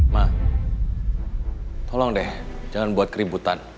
nah tolong deh jangan buat keributan